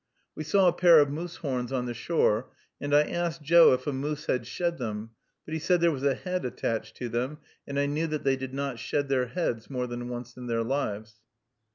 We saw a pair of moose horns on the shore, and I asked Joe if a moose had shed them; but he said there was a head attached to them, and I knew that they did not shed their heads more than once in their lives.